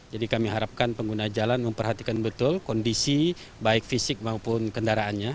jadi kami harapkan pengguna jalan memperhatikan betul kondisi baik fisik maupun kendaraannya